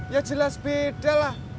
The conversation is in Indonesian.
ya jelas bedalah